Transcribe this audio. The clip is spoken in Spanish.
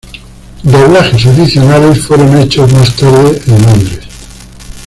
Doblajes adicionales fueron hechos más tarde en Londres.